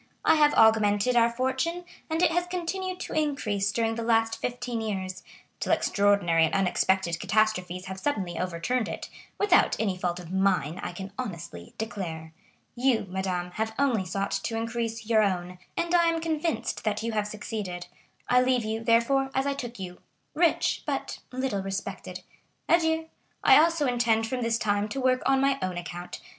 I have augmented our fortune, and it has continued to increase during the last fifteen years, till extraordinary and unexpected catastrophes have suddenly overturned it,—without any fault of mine, I can honestly declare. You, madame, have only sought to increase your own, and I am convinced that you have succeeded. I leave you, therefore, as I took you,—rich, but little respected. Adieu! I also intend from this time to work on my own account.